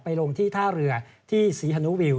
ลงที่ท่าเรือที่ศรีฮานุวิว